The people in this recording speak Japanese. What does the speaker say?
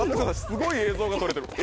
すごい映像が撮れてる。